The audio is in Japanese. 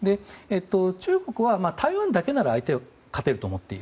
中国は相手が台湾だけなら勝てると思っている。